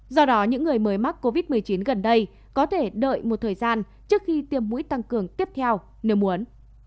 do đó những người mới mắc covid một mươi chín gần đây có thể đợi một thời gian trước khi tiêm mũi tăng cường tiếp theo nếu muốn